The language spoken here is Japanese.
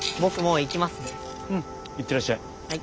うん行ってらっしゃい。